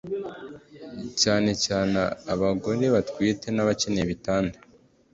cyane cyane abagore batwite n’abakeneye ibitanda